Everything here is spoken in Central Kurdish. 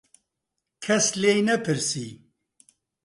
کەس لێی نەپرسی.